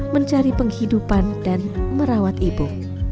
mencari penghidupan dan merawat ibu